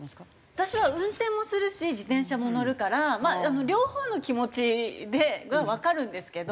私は運転もするし自転車も乗るから両方の気持ちがわかるんですけど。